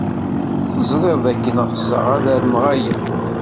Teẓrid dakken ɣseɣ ad armeɣ aya.